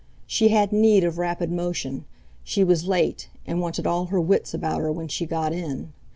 She had need of rapid motion; she was late, and wanted all her wits about her when she got in.